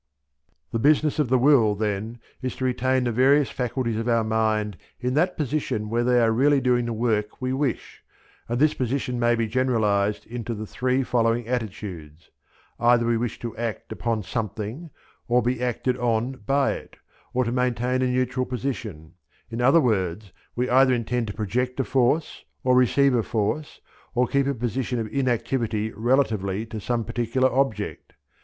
The business of the will, then, is to retain the various faculties of our mind in that position where they are really doing the work we wish, and this position may be generalized into the three following attitudes; either we wish to act upon something, or be acted on by it, or to maintain a neutral position; in other words we either intend to project a force, or receive a force or keep a position of inactivity relatively to some particular object.